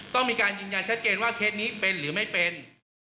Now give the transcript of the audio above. ต้องมีการยืนยันชัดเจนว่าเคสนี้เป็นหรือไม่เป็น